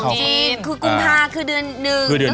คือกรุงธาคือเดือน๑